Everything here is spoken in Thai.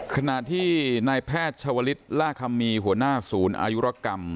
ขณะที่นายแพทย์ชวลิศล่าคำมีหัวหน้าศูนย์อายุรกรรม